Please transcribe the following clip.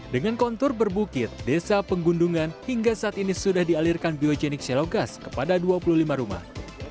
dengan kontur berbukit desa penggundungan hingga saat ini sudah dialirkan biogenik selow gas kepada dua puluh lima rumah